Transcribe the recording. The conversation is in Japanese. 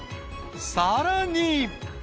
［さらに］